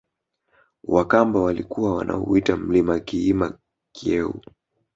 Wakamba walikuwa wanauita mlima kiima Kyeu